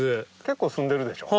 結構澄んでるでしょ？